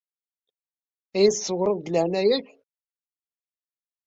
Ad yi-d-tṣewwreḍ, deg leɛnaya-k?